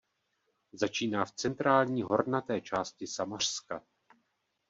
Začíná v centrální hornaté části Samařska.